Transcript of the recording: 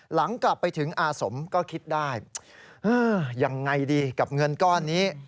หลังกลับไปถึงอาสมก็คิดได้ยังไงดีกับเงินก้อนนี้